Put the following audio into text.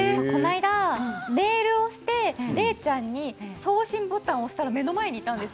メールをして礼ちゃんに送信ボタンを押したら目の前にいたんですよ。